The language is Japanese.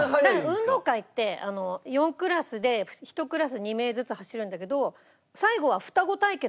運動会って４クラスで１クラス２名ずつ走るんだけど。